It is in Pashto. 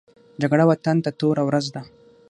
جګړه وطن ته توره ورځ ده